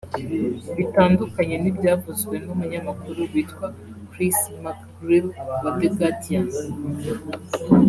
Bitandukanye n’ibyavuzwe n’Umunyamakuru witwa Chris McGreal wa The Guardian